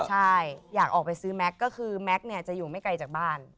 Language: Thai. ใช่อยากออกไปซื้อแม็กซ์ก็คือแม็กซ์เนี่ยจะอยู่ไม่ไกลจากบ้าน